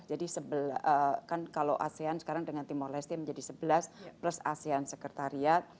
jadi kan kalau asean sekarang dengan timor leste menjadi sebelas plus asean sekretariat